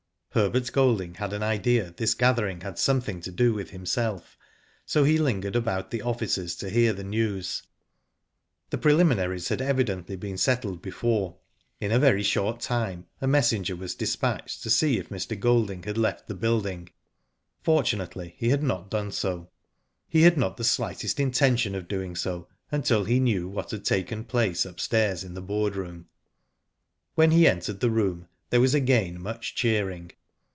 Herbert Golding had an idea this gathering had something to do with himself, so he lingered about the offices to hear the news. The preliminaries had evidently been settled before. In a very short time a messenger was despatched to see if Mr. Golding had left the building. Fortunately he had not done so. He had not the slightest intention of doing so until he knew what had taken place upstairs in the board room. When he entered the room there was again much cheering.